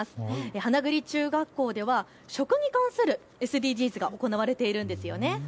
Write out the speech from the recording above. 花栗中学校では食に関するＳＤＧｓが行われているんですよね。